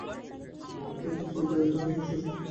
অতএব বুঝলি তো, এটা আমার নিজস্ব শক্তি নয়।